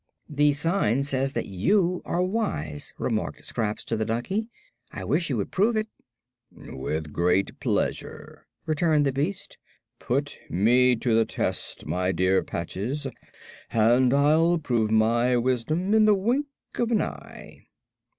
"The sign says that you are wise," remarked Scraps to the donkey. "I wish you would prove it." "With great pleasure," returned the beast. "Put me to the test, my dear Patches, and I'll prove my wisdom in the wink of an eye."